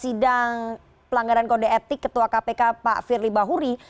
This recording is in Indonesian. sidang pelanggaran kode etik ketua kpk pak firly bahuri